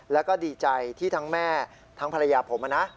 แล้วก็ดีใจที่ทั้งแม่ทั้งภรรยาผมนะ